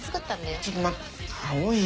ちょっと待ってよ。